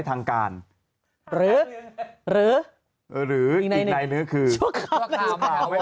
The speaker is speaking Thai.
แป๊บแป๊บ